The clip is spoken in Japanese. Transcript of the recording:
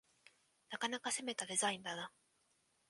なかなか攻めたデザインだな